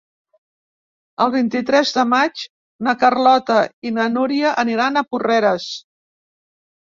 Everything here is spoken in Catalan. El vint-i-tres de maig na Carlota i na Núria aniran a Porreres.